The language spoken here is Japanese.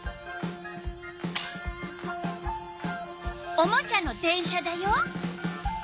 おもちゃの電車だよ。